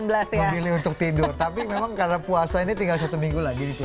memilih untuk tidur tapi memang karena puasa ini tinggal satu minggu lagi